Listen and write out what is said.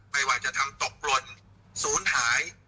ไม่ว่าจะทำตกลนสูญหาย